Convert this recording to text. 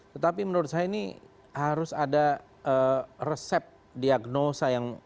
tetapi menurut saya ini harus ada resep diagnosa yang